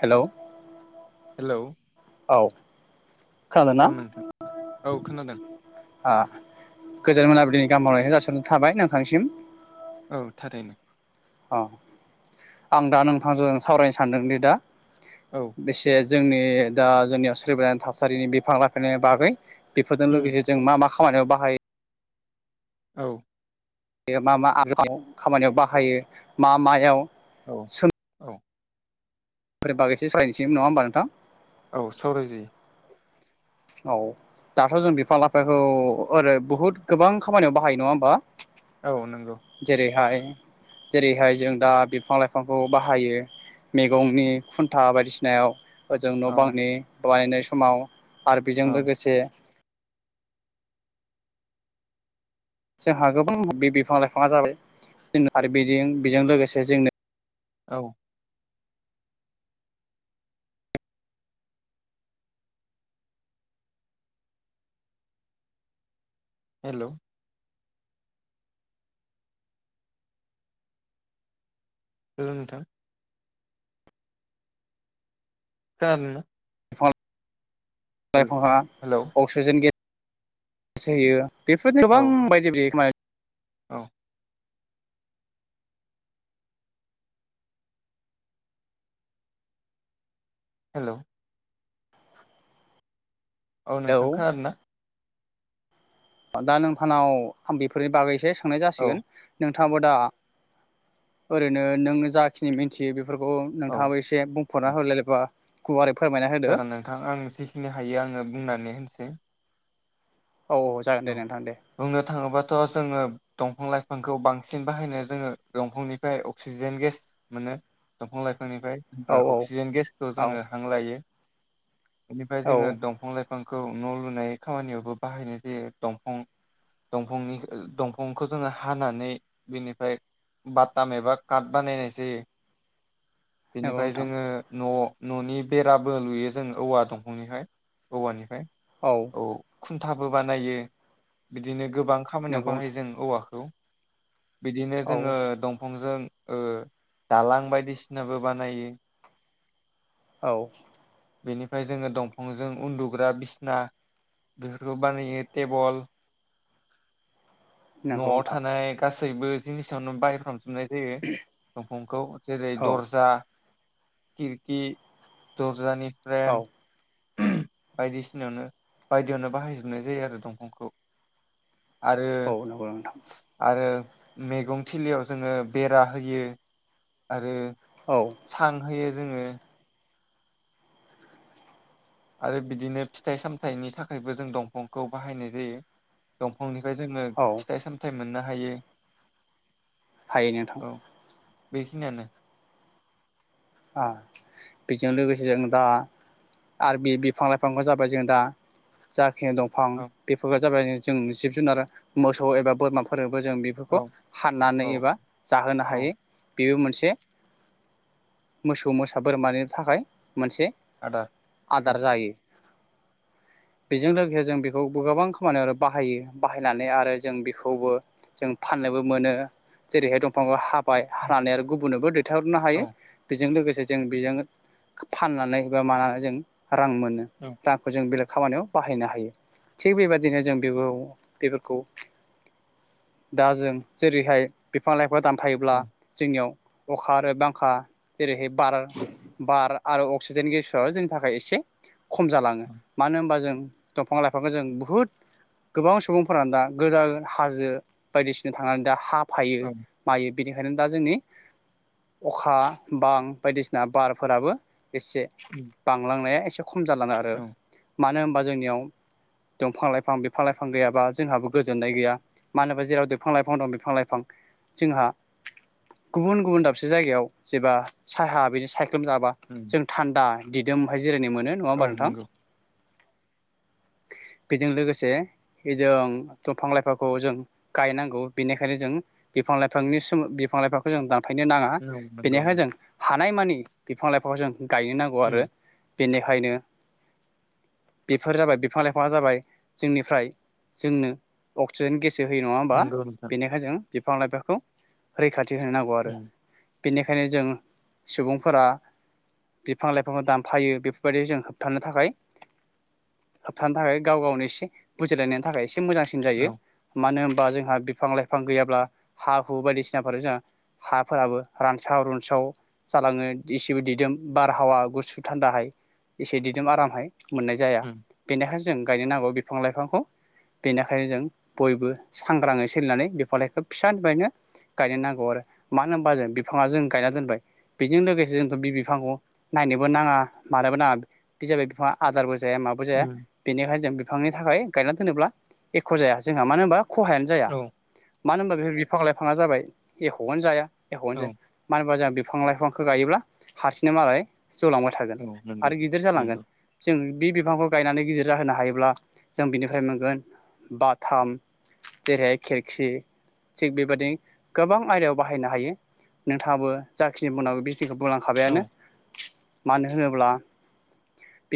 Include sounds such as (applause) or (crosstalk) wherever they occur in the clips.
Hello. Hello. औ खोनादों ना औ नोंथां औ खोनादों ओ गोजोन मोना नि गामहामलायनायखौ जासि हरनाय थाबाय नोंथांनिसिम। औ थारैनो। अ आं दा नोंथांजों सावरायनो सानदोंदि दा औ बेसे जोंनि दा जोंनियाव सोलिबाय थानाय थासारिनि बिफां लाइफायनायनि बागै बेफोरजों उम लोगोसे जों मा मा खा खामानियाव बाहायो औ। बेयो मा मा (unintelligible) खामानियाव बाहायो मा मायाव? औ औ। (unintelligible) बागै एसे सावरायनोसै नङा होमबा नोंथां? औ सावरायजायो। औ दाथ' जों बिफां लाइफांखौ ओरै बुहुद गोबां खामानियाव बाहायो नङा होमबा? औ नंगौ। जेरैहाय जेरैहाय जों दा बिफां लाइफांखौ बाहायो मैगंनि खुन्था बायदिसिनायाव। ओजों न' औ बांनि बानायनाय समाव आरो बेजों औ लोगोसे जोंहा गोबां बे बिफां लाइफाङा जाबाय जों आरो बिदिं बेजों लोगोसे जोंनो औ। हेल'। हल' नोंथां। खोनादों ना? लाइफांआ हेलौ अक्सिजेन गे (unintelligible) बेफोर औ गोबां बायदि (unintelligible) औ। हेल'। औ नोंथां खोनादों ना? दा नोंथांनाव आं बेफोरनि बागै थांनाय औ जासिगोन नों थाङाबो दा ओरैनो नों जाखिनि मिथियो बे फोरखौ औ नोंथाङाबो एसे बुं फुरना हो जेनेबा गुवारै फोरमायना होदो जागोन नोंथां आं जेखिनि हायो आङो बुंनानै होनोसै। औ जागोन दे औ नोंथां दे बुंनो थाङोबाथ' जोङो दंफां लाइफांखौ बांसिन बाहायनो जोङो दंफांनिफ्राय अक्सिजेन गेस मोनो दंफां लाइ फांनिफ्राय औ ओ औ अक्सिजेन गेसखौ औ जोङो हां लायो। बेनिफ्राय औ जोङो दंफां लाइ फांखौ न' लुनाय खामानियावबो बाहायनाय जायो। दंफां दफांनि दंफांखो जोङो हानानै बिनिफाय बाटाम एबा काट बानायनाय जायो। नंगौ बेनिफाय नोंथां जोङो न' न'नि बेराबो लुयो जों औवा दंफांनिफाय औवानिफाय। औ। खुन्थाबो बानायो। बिदिनो गोबां खामानियाव नंगौ नोंथां बाहायो जों औवाखौ। बिदिनो औ जोङो दंफांजों ओ दालां बायदिसिनाबो बानायो। औ। बेनिफाय जोङो दंफांजों उन्दुग्रा बिसना बेफोरखौ बानायो। टेबल नंगौ न'आव नोंथां थानाय गासै गासैबो जिनिसआवनो बायहाफ्राम जुबनाय जायो। दंफांखौ जेरै औ दर्जा, किरकि, दरजानि प्रेम औ बायदिसिनायावनो बायदियावनो बाहायजोबनाय जायो आरो दंफांखौ। आरो औ नंगौ नोंथां आरो मेगं थिलियाव जोङो बेरा होयो आरो औ सां होयो। जोङो आरो बिदिनो फिथाइ सामथाइनि थाखायबो जों दंफांखौ बाहायनाय जायो। दंफांनि फाय जोङो औ फिथाइ सामथाइ मोननो हायो। हायो नोंथां। बे खिनियानो ओ बेजों लोगोसे जों दा आरो बे बिफां लाइफांखौ जाबाय जों दा जा बे दंफां औ बेफोर जाबाय। जों जिब जुनार मोसौ एबा बोरमाफोर जों बेफोरखौ औ हाननानै औ एबा जाहोनो औ हायो। बेबो मोनसे मोसौ मोसा बोरमानि थाखाय मोनसे आदार औ आदार जायो। बेजों लोगोसे जों बेखौ गोबां खामानियाव बाहायो बाहायनानै आरो जों बेखौबो, जों फाननोबो मोनो जेरैहाय दंफांखौ हाबाय हानानै आरो गुबुननोबो दै हरनो हायो। औ बेजों लोगोसे जों बेजों फाननानै बा मानानै जों। रां मोनो रांखौ जों बेलेग खामानियाव बाहायनो हायो थिग बेबायदिनो जों बेफोरखौ दा जों जेरैहाय बिफां-लाइां। दानफायोब्ला औ जोंनियाव अखा आरो बांखा जेरैहाय बार-बार आरो अक्सिजेन गेस जोंनि थाखाय एसे खम जालाङो औ मानो होनबा जों दंफां-लाइफांखौ जों बुहुत गोबां सुबुंफोरानो दा गोजा हाजो बायदिसिना थांनानै दा हा फयो औ मायो बिनिखायनो दा जोंनि अखा बां बायदिसिना बारफोराबो एसे उम, बांलांनाय एसे खम जालाङो आरो औ मानो होन बा जोंनियाव दंफां-लाइफां बिफां-लाइफां गैयाबा, जोंहाबो गोजोननाय गैया मानो होनोबा जेराव बिफां-लाइफां दं बिफां-लाइफां जोंहा गुबुन-गुबुन दाबसे जायगायाव। जेबा साहा बेनि साय एखोम जाबा उम, जों थान्दा। दिदोमैय जिरायनो मोनो नङा होमबा औ नोंथां? नंगौ बेजों लोगोसे जों दंफां-लाइफांखौ जों गायनांगौ बेनिखायनो जों बिफां-लाइफांनिसी बिफां-लाइफांखौ जों दान थायनो नाङा नंगौ नंगौ बेनिखायनो नंगौ जों हानायमानि बिफां-लाइफांखौ जों‌ गायनो नांगौ आरो उम, बेनिखायनो बेफोर जाबाय बिफां-लाइफाङा जाबाय जोंनिफ्राय जोंनो अक्सिजेन गेस जों होयो नङा होमबा नंगौ नोंथां बेनिखायनो जों बिफां-लाइफांखौ रैखाथि थि होनो नांगौ आरो। उम, बेनिखायनो जों सुबुंफोरा बिफां-लाइफांखौ दानफायो बेफोरबायदि जों होबथानो थाखाय होबथानो थाखाय गाव-गावनि एसे बुजिलायनायनि थाखाय एसे मोजांसिन जायो औ मानो होन बा जोंहा बिफां लाइफां गैयाब्ला हा हु बायदिसिनाफोर जोंहा हाफोराबो रानस्राव-रुनस्राव जालाङो इसेबो दिदोम बारहावा गुसु थान्दाहाय एसे दिदोम आरामहाय मोननाय जाया उम, बेनिखायनो जों गायनो नांगौ बिफां-लाइफांखौ बेनिखायनो जों बयबो सांग्रांयै सोलिनानै बिफां-लाइफांखौ फिसानिफ्रायनो गायनो नांगौ आरो मानो होनबा जों बिफाङा जों गायना दोनबाय बेजों लोगोसे जोंथ' बि बिफांखौ नायनोबो नाङा मानोबो नाङा बे जाबाय बिफाङा आदारबो जाया माबो जाया उम, बेनिखायनो जों बिफांनि थाखाय गायना दोनोब्ला एख' जाया जोंहा मानो होनबा खहायानो जाया औ मानो ओमबा बिफां लाइफाङा जाबाय एख'आनो जाया एख'आनो औ जाया (unintelligible) बिफां लाइफांखौ गायोब्ला हारसिंनो मालाय जौलांबाय थागोन औ नंगौ आरो गिदिर जालांगोन नंगौ जों बि बिफांखौ गायनानै गिदिर जाहोनो हायोब्ला जों बिनिफ्राय मोनगोन बाथाम जेरैहाय खिरखि थिग बेबायदि गोबां आयदायाव बाहायनो हायो। नोंथाङाबो जाखिनि बुंनांगो बि औ बुंलांखाबायानो मानो होनोब्ला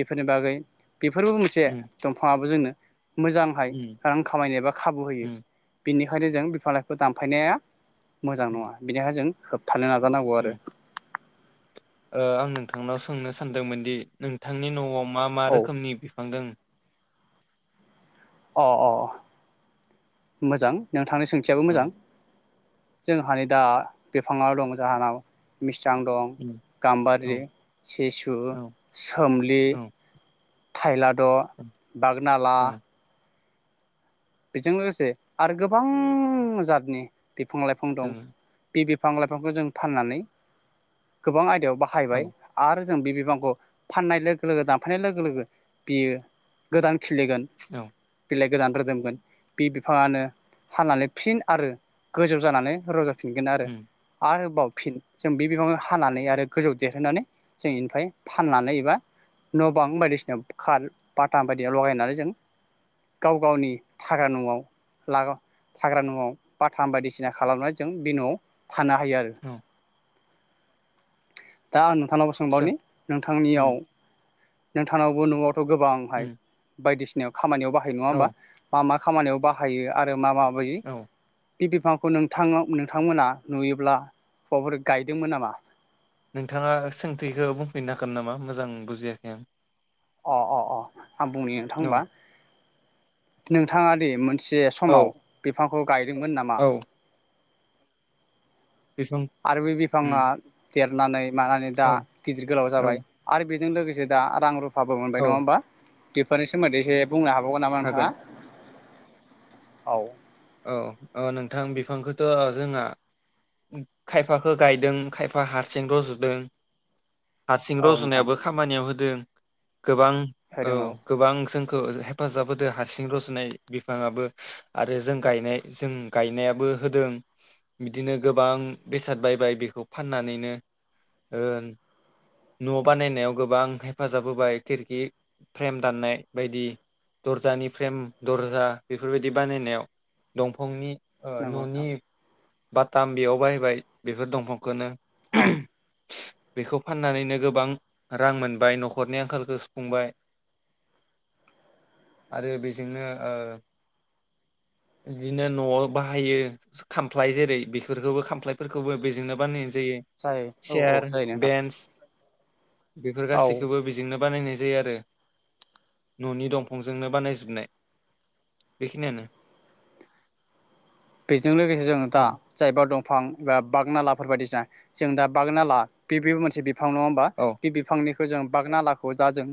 बिफोरनि बागै बेफोरबो मोनसे उम, दंफाङाबो जोंनो मोजांहाय उम, रां खामायनो एबा खाबु होयो उम, बिनि खायनो जों बिफां लाइफांखौ दानफायनाया मोजां उम, नङा बिनिहा जों थानो नाजानांगौ आरो उम। ओ आं नोंथांनाव सोंनो सानदोंमोन दि नोंथांनि नआव मा मा औ रोखोमनि बिफां दों अ अ मोजां नों थांनि सोंथियाबो औ मोजां। जोंहानि दा बिफाङाव दं जाहानाव मिस सां दं उम, औ गाम्बारि सिसु औ सोमलि औ थाइलाद' औ बागनाला औ बिजों लोगोसे आरो गोबां जादनि बिफां लाइफां दं दोङो बे बि बिफां लाइफांखौ जों फाननानै गोबां आयदायाव, औ बाहायबाय आरो जों बे फाननाय लोगो लोगो दानफायनाय लोगो लोगो बियो गोदान खिलिगोन औ बेलेग गोदान रोदोमगोन, बि बिफाङानो फाननानै फिन आरो गोजौ जानानै रज' फिनगोन आरो उम, आरोबाव फिन जों बे हानानै आरो गोजौ देरहोनानै जों इनिफाय फाननानै एबा न'बां बायदिसिना खाल बाटाम बायदि लगायनानै जों गाव गावनि थाग्रा न'आव लाग थाग्रा न'आव बाथाम बायदिसिना खालामनानै जों बि न'आव थानो हायो आरो औ दा नु थांनावबो सों सोंबावनि उम, नोंथांनियाव नोंथांङावबो न'आव, थ' गोबांहाय उम, बायदिसि खामानियाव बाहायो नङा होमबा औ मा मा? खामानियाव बाहायो आरो मा मा? बै। औ बे बिफां नोंथाङा सोंथिखौ बुंफैनो हागोन नामा मोजां बुजियाखै आं। अ अ अ। आं बुंनि नोंथां होनबा। नोंथाङा दे मोनस जे औ समाव बिफां। गायदोंमोन नामा? औ बिफां आरो बे बिफाङा। उम देरनानै। मानानै दा औ गिदिर गोलाव औ जाबाय आरो बे। जों लोगोसे दा रां रुफ फाबो औ मोनबाय नङा होमबा? बेफोरनि सोमोन्दै एसे। बुंनो हाबावगोन नामा नोंथाङा? हागोन औ। औ अ नोंथां बिफांखौथ' जोंहा खायफाखो गायदों खायफा हारसिं रज'दों। हारसिं औ नोंथां रज'नायाबो खामानियाव होदों। गोबां औ गोबां सों हेफाजाब होदो हारसिं रजनाय बिफाङाबो आरो। जों गायनाय जों गायनायाबो होदों बिदिनो गोबां बेसाद बायबाय बेखौ फाननानैनो ओ- न' बानायनायाव गोबां हेफाजाब होबाय खिरखि फ्रेम दाननाय बायदि दरजानि फ्रेम दर्जा बेफोरबायदि बानायनायाव। दंफांनि। ओ नंगौ नोंथां न'नि। बाटाम बेयाव बाहायबाय बेफोर दंफांखौनो। औ बेखौ फाननानैनो गोबां रां मोनबाय न'खरनि आंखालखौ सुफुंबाय आरो बेजोंनो ओ- बिदिनो न'आव बाहायो खामफ्लाय जेरै बेफोरखौबो खामफ्लायफोरखौबो बेजोंनो बानायनाय। दि जायो औ औ चियार जायो नोंथां बेन्स। बेफोर औ गासैखौबो बेजोंनो बानायनाय। जायो आरो न'नि दंफांजोंनो बानायजोबनाय बेखिनियानो। बेजों लोगोसे जों दा जायबा दं फां बा बागनालाफोर बायदि जा जों दा बागनाला बे बेबो मोनसे बि फां नङा होमबा औ बे बिफांनि होजों बागनाालाखौ जाजों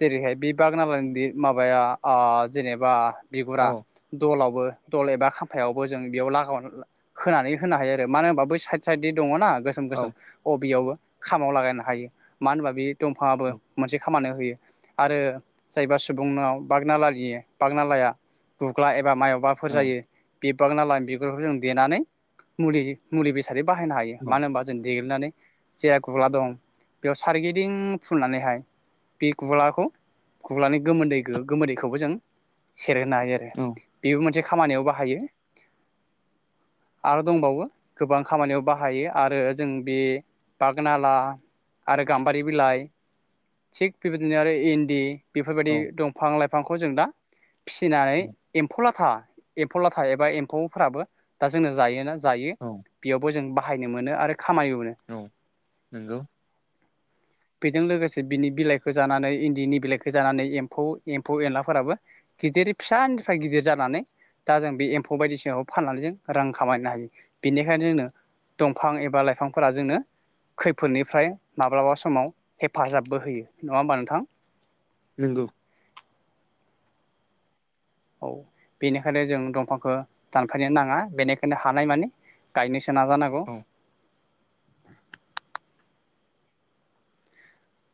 जेरैहाय बे बागनालानि बे माबाया ओ जेनेबा औ बिगुरा दलाव (unintelligible) दल एबा खाम्फायाव (unintelligible) जों बेयाव लागाव होनानै होनो हायो आरो मानो होनबा बै साइद साइदनि दङना गोसोम औ गोसोम अबियावबो खामाव लागायनो हायो मानो होनबा बेयो दंफाङाबो औ मोनसे खामानो होयो आरो जायबा सुबुंनाव बागनालानि बागनालाया गुग्ला एबा मायाव माबाफोर जायो बिबागनालानि बिगुरफोरखौ जों देनानै मुलि मुलि बेसादै बाहायनो हायो औ मानो होनबा जों देग्लिनानै जेहा गुगला दं बेयाव सारगिदिं फुननानैहाय बे गुगलाखौ गुलानि गोमोदै गोमोदैखौबो जों खेर होनो हायो आरो बेबो मोनसे खामानियाव बाहायो आरो दंबावो गोबां खामानियाव बाहायो आरो जों बे बागनाला आरो गाम्बारि बिलाइ थिग बेबायदिनो आरो इन्दि बेफोरबायदि औ दंफां लाइफ बिफांखौ जों दा फिसिनाय एम्फौ लाथा एम्फौ लाथ एबा एम्फौफोराबो दा जोंनो जायोना जायो औ बेयावबो जों बा बाहायनो मोनो आरो खामानिबो मोनो औ नोंगौ बेजों लोगोसे बिनि बिलाइखौ जानानै इन्दिनि बिलाइखौ जानानै एम्फौ एम्फौ एनलाफोराबो गिदिर फिसानिफ्राय गिदिर जानानै दा जों बे एम्फौ बायदिसिनाखौ फाननानै जों रां खामायनो हायो बिनिखायनो जोंनो दंफां एबा लाइफांफोरा जोंनो खैफोदनिफ्राय माब्लाबा समाव हेफाजाबबो होयो नङा होमबा नोंथां? नोंगौ औ बेनिखायनो जों दंफांखौ दानफायनो नाङा बेनिखायनो हानाय मानि गायनोसो नाजा नांगौ औ (unintelligible)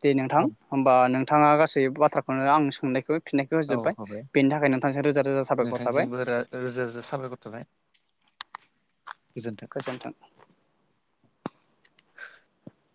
दे नोंथां औ होमबा नों नोंथाङा गासै बाथ्राखौनो आं सोंनायखो फिननायखौ औ होजोब्बाय हाबाय बेनि थाखाय नोंथांजों रोजा रोजा साबायखर थाबाय। नोंथांसिमबो रोजा रोजा साबायखर थाबाय गोजोन्थों गोजोनथों (inaudible)